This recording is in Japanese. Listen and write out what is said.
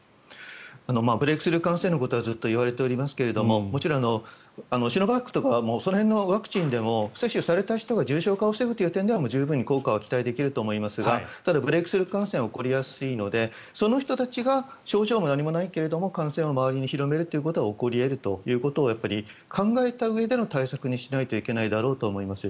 ブレークスルー感染のことはずっと言われておりますがもちろんシノバックとかその辺のワクチンでも接種された人が重症化を防ぐという点では効果は期待できると思いますがただ、ブレークスルー感染は起こりやすいのでその人たちが症状も何もないけれども感染を周りに広めるということは起こり得ると考えたうえでの対策にしないといけないだろうと思います。